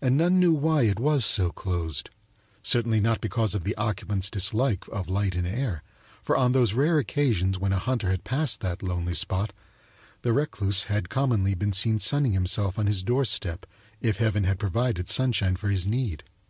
And none knew why it was so closed; certainly not because of the occupant's dislike of light and air, for on those rare occasions when a hunter had passed that lonely spot the recluse had commonly been seen sunning himself on his doorstep if heaven had provided sunshine for his need.